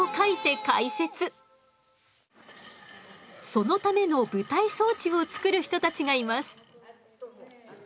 そのための舞台装置を作る人たちがいます。